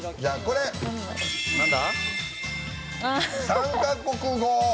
「３か国語」。